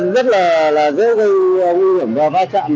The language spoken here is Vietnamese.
rất là gây nguy hiểm và phá trạm